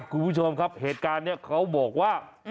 คุณผู้ชมครับเหตุการณ์นี้เขาบอกว่า